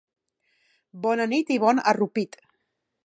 Bona nit i bon arrupit!